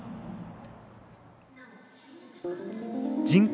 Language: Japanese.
人口